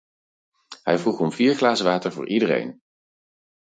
Hij vroeg om vier glazen water voor iedereen.